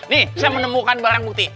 nih saya menemukan barang bukti